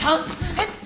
えっ。